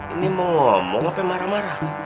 ini mau ngomong apa marah marah